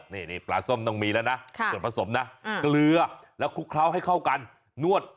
นี่ปลาส้มต้องมีแล้วนะส่วนผสมนะเกลือแล้วคลุกเคล้าให้เข้ากันนวด